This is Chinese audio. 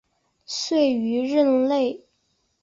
卒于任内。